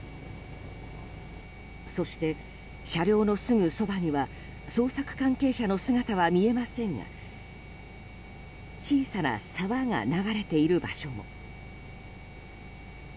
そして、車両のすぐそばには捜索関係者の姿は見えませんが小さな沢が流れている場所も。